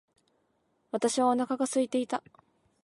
私はお腹が空いていた。